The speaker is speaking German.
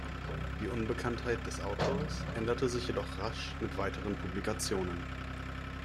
Die Unbekanntheit des Autors änderte sich jedoch rasch mit weiteren Publikationen.